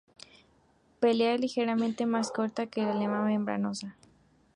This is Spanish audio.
Pálea ligeramente más corta que la lema, membranosa.